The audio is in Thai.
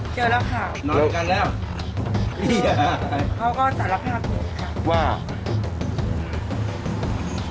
เจอแล้วค่ะนอนกันแล้วเขาก็จะรับให้กับผมค่ะว่าอ่ะ